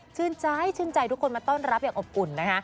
ชื่นใจทุกคนมาต้อนรับอย่างอบอุ่นนะคะ